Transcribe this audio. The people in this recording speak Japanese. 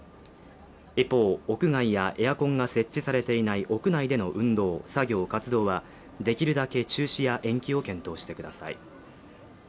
一方、屋外やエアコンが設置されていない屋内での運動、作業、活動はできるだけ中止や延期を検討してください。